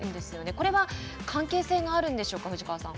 これは関係性があるんでしょうか、藤川さん。